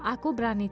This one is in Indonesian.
aku berani tidur